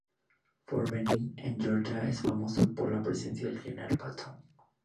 Fort Benning, en Georgia, es famoso por la presencia del general Patton.